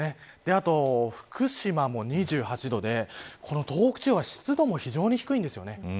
あと福島も２８度で東北地方は湿度も非常に低いんですよね。